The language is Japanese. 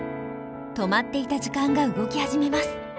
止まっていた時間が動き始めます。